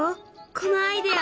このアイデア。